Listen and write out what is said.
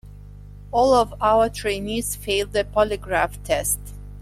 All of our trainees failed the polygraph test.